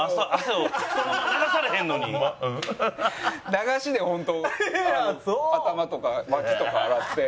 流しで本当頭とかわきとか洗って。